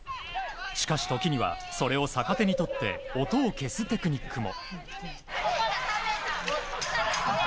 しかし時にはそれを逆手にとって音を消すテクニックも。